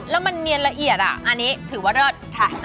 แล้วมันเนียนละเอียดอ่ะอันนี้ถือว่าเลิศ